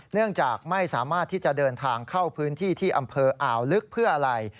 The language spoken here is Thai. เนื่องจากไม่สามารถที่จะเดินทางเข้าพื้นที่ที่อำเภออ่าวลึกเพื่ออะไร